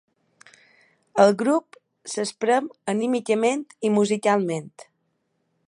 El grup s’esprem anímicament i musicalment.